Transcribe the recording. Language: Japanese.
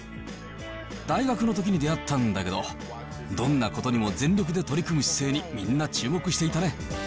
大学のときに出会ったんだけど、どんなことにも全力で取り組む姿勢に、みんな注目していたね。